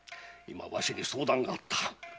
今わしに相談があった。